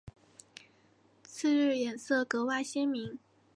次日颜色格外鲜明。